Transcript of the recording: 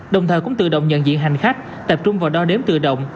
đồng thời cũng tự động nhận diện hành khách tập trung vào đo đếm tự động